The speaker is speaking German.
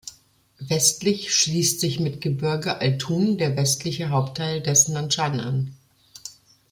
Westlich schließt sich mit Gebirge Altun der westliche Hauptteil des "Nanshan" an.